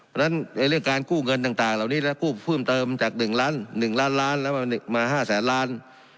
เพราะฉะนั้นเรื่องการกู้เงินต่างเหล่านี้และกู้เพิ่มเติมจาก๑ล้าน๑ล้านล้านแล้วมา๕แสนล้าน